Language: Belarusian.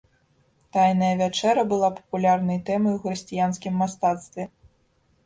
Тайная вячэра была папулярнай тэмай у хрысціянскім мастацтве.